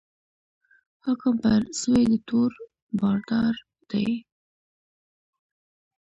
حکم پر سوی د تور بادار دی